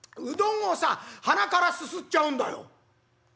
うどんをさ鼻からすすっちゃうんだよ」。